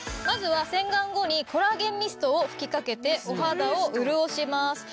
まずは洗顔後にコラーゲンミストを吹きかけてお肌を潤します。